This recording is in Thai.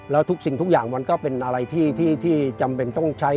แล้วทุกสิ่งทุกอย่างมันก็เป็นอะไรที่จำเป็นต้องใช้